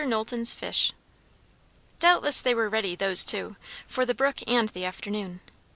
KNOWLTON'S FISH. Doubtless they were ready, those two, for the brook and the afternoon.